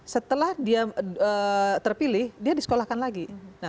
setelah dia terpilih dia disekolahkan lagi